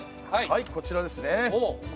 はいこちらですね。